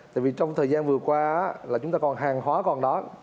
tại vì trong thời gian vừa qua là chúng ta còn hàng hóa còn đó